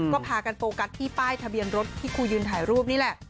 ก็พากันโฟกัสที่ป้ายทะเบียนรถที่ครูยืนถ่ายรูปนี่แหละ